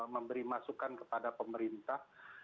memberi masukan kepada pemerintah